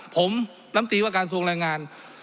ผมน้ำตีลวันการส่วงรายงาน